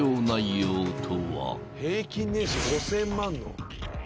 平均年収５，０００万の。